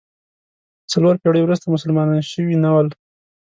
څلور پېړۍ وروسته مسلمانان شوي نه ول.